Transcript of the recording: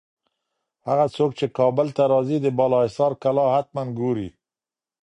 هغه څوک چي کابل ته راځي، د بالاحصار کلا حتماً ګوري.